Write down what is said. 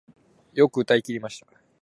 よく歌い切りました